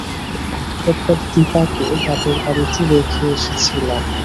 একবার দিপাকে বাপের বাড়িতে রেখে এসেছিলাম।